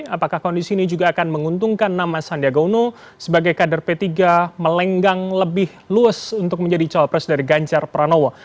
apakah kondisi ini juga akan menguntungkan nama sandiaga uno sebagai kader p tiga melenggang lebih luas untuk menjadi cawapres dari ganjar pranowo